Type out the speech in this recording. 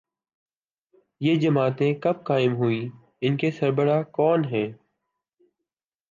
یہ جماعتیں کب قائم ہوئیں، ان کے سربراہ کون ہیں۔